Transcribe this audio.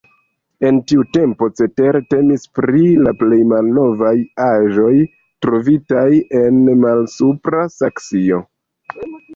En tiu tempo cetere temis pri la plej malnovaj aĵoj trovitaj en Malsupra Saksio.